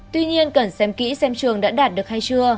tuy nhiên cần xem kỹ xem trường đã đạt được hay chưa